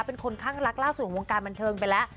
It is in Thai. เป็นคนข้างรักล่าสุดของวงการบันเทิงไปแล้ว